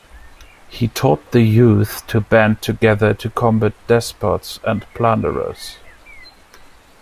He taught the youth to band together to combat despots and plunderers.